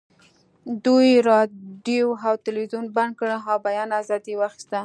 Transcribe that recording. دوی راډیو او تلویزیون بند کړل او بیان ازادي یې واخیسته